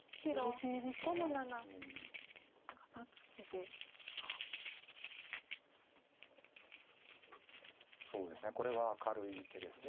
そうですねこれは明るい手です。